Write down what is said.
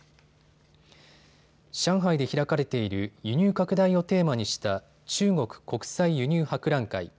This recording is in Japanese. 上海で開かれている輸入拡大をテーマにした中国国際輸入博覧会。